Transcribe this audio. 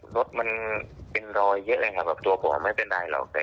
รถมันเป็นรอยเยอะเลยครับแบบตัวผมไม่เป็นไรหรอก